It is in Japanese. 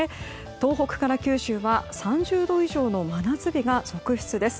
東北から九州は３０度以上の真夏日が続出です。